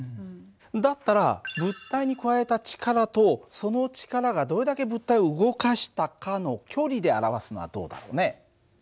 だったら物体に加えた力とその力がどれだけ物体を動かしたかの距離で表すのはどうだろうね？